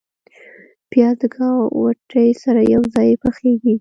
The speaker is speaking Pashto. پیاز د ګاوتې سره یو ځای پخیږي